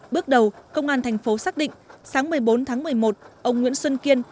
bước đầu công an tp xác định sáng một mươi bốn tháng một mươi một ông nguyễn xuân kiên